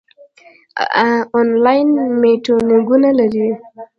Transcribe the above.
آنلاین میټینګونه لرئ؟